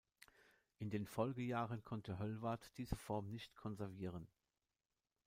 In den Folgejahren konnte Höllwarth diese Form nicht konservieren.